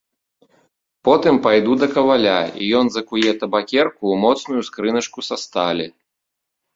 Потым пайду да каваля, і ён закуе табакерку ў моцную скрыначку са сталі.